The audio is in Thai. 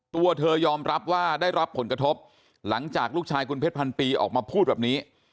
ตัวเธอยอมรับว่าได้รับผลกระทบหลังจากลูกชายคุณเพชรพันปีออกมาพูดแบบนี้